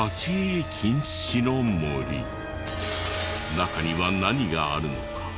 中には何があるのか？